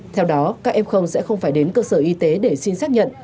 theo đó các em sẽ không phải đến cơ sở y tế để xin xác nhận